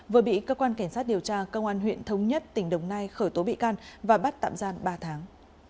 vừa bị cơ quan cảnh sát điều tra công an huyện thống nhất tỉnh đồng nai khởi tố bị can và bắt tạm gian ba tháng